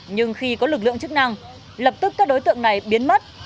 nhưng khi có lực lượng chức năng lập tức các đối tượng này biến mất